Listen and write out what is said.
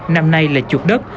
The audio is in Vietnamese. năm nay là chuột đất